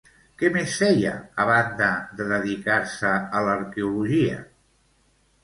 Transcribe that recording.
Què més feia, a banda de dedicar-se a l'arqueologia?